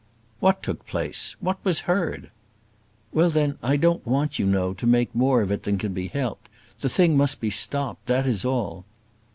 "What took place? What was heard?" "Well, then, I don't want, you know, to make more of it than can be helped. The thing must be stopped, that is all."